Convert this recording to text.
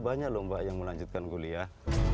banyak lho mbak yang melanjutkan kuliah